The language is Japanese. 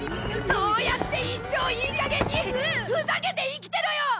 そうやって一生いい加減にふざけて生きてろよ！